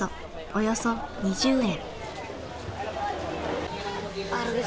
およそ２０円。